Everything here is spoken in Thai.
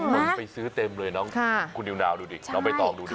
น้องไปซื้อเต็มเลยคุณยุนาวดูดิ